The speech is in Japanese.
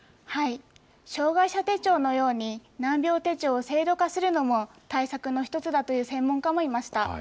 障害者手帳のように、難病手帳を制度化するのも対策の一つだという専門家もいました。